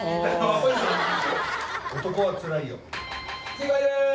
正解です！